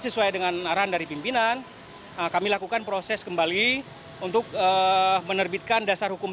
sesuai dengan arahan dari pimpinan kami lakukan proses kembali untuk menerbitkan dasar hukum